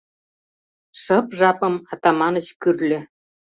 Шып жапым Атаманыч кӱрльӧ.